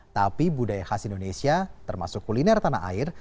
tapi budaya khas indonesia termasuk kuliner tanah air